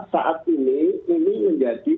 saat ini ini menjadi